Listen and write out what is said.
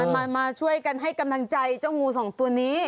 มาช่วยกันให้กำลังใจเจ้างูสองตัวนี้